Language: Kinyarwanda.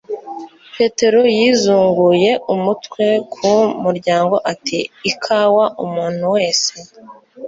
Petero yizunguye umutwe ku muryango, ati: 'Ikawa, umuntu wese?